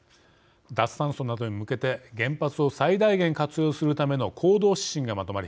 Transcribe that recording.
脱炭素などに向けて原発を最大限活用するための行動指針がまとまり